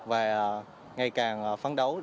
và ngày càng phấn đấu